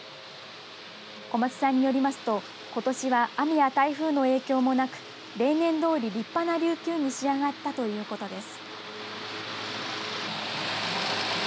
小松さんによりますとことしは雨や台風の影響もなく例年どおり立派なリュウキュウに仕上がったということです。